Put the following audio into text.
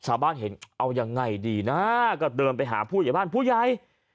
ชาวบ้านเห็นเอายังไงดีนะก็เดินไปหาผู้ใหญ่บ้านผู้ใหญ่